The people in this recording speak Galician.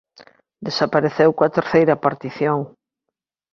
Desapareceu coa terceira partición.